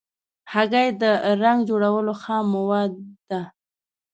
هګۍ د رنګ جوړولو خام مواد ده.